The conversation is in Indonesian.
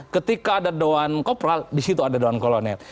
ketika ada dawan kopral di situ ada doan kolonel